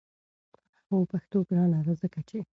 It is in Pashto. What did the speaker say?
هو پښتو ګرانه ده! ځکه چې